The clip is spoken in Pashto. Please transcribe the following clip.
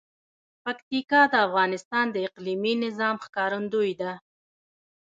پکتیکا د افغانستان د اقلیمي نظام ښکارندوی ده.